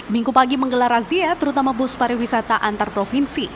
minggu pagi menggelar razia terutama bus pariwisata antarprovinsi